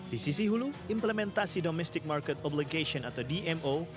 di sisi hulu implementasi domestic market obligation atau dmo